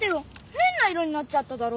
へんな色になっちゃっただろ！